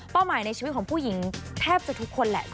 หมายในชีวิตของผู้หญิงแทบจะทุกคนแหละ